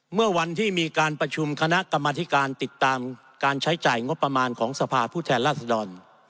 เมื่อวันที่มีการประชุมคณะกรรมธิการติดตามการใช้จ่ายงบประมาณของสภาพผู้แทนราชดร